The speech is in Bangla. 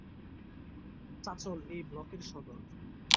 চাঁচল এই ব্লকের সদর।